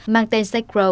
mang tên sacrow